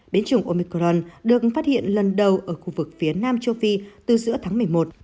biến chủng omicron được phát hiện lần đầu ở khu vực phía nam châu phi từ giữa tháng một mươi một